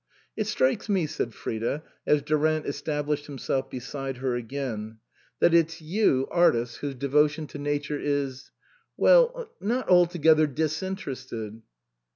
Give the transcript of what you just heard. " It strikes me," said Frida, as Durant estab lished himself beside her again, " that it's you 159 THE COSMOPOLITAN artists whose devotion to Nature is well not altogether disinterested."